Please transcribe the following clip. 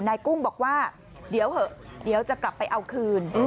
นายกุ้งบอกว่าเดี๋ยวจะกลับไปเอาคืน